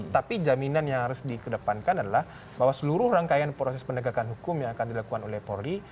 tapi jaminan yang harus dikedepankan adalah bahwa seluruh rangkaian proses penegakan hukum yang akan dilakukan oleh polri